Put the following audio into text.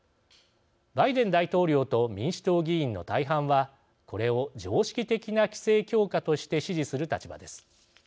バイデン大統領と民主党議員の大半はこれを常識的な規制強化として支持する立場です。